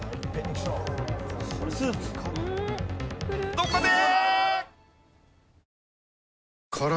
どこで！